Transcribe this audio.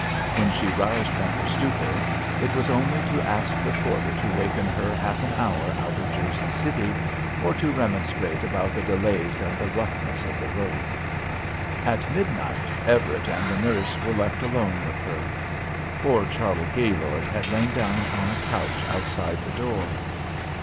When she roused from her stupor, it was only to ask the porter to waken her half an hour out of Jersey City, or to remonstrate about the delays and the roughness of the road. At midnight Everett and the nurse were left alone with her. Poor Charley Gaylord had lain down on a couch outside the door.